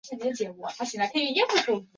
我的计划是完美的工作。